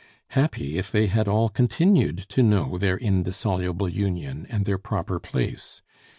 Happy if they had all continued to know their indissoluble union and their proper place!